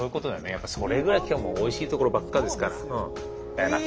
やっぱそれぐらい今日はもうおいしいところばっかですから。